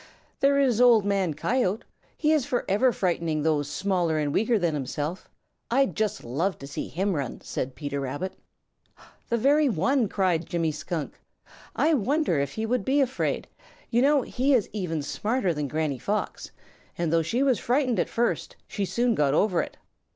"There is Old Man Coyote; he is forever frightening those smaller and weaker than himself. I'd just love to see him run," said Peter Rabbit. "The very one!" cried Jimmy Skunk. "I wonder if he would be afraid. You know he is even smarter than Granny Fox, and though she was frightened at first, she soon got over it.